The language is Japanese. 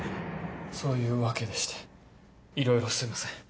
そういうわけでしていろいろすいません。